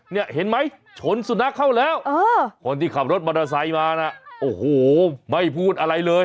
เนี่ยเห็นไหมชนสุนัขเข้าแล้วคนที่ขับรถมอเตอร์ไซค์มานะโอ้โหไม่พูดอะไรเลย